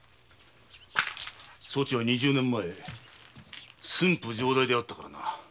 そちは二十年前駿府城代であったからな。